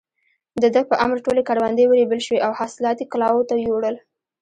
د ده په امر ټولې کروندې ورېبل شوې او حاصلات يې کلاوو ته يووړل.